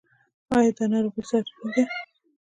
ایا دا ناروغي ساري ده؟